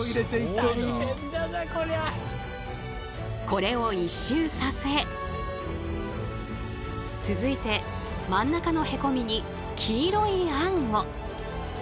これを１周させ続いて真ん中のへこみに黄色いあんを。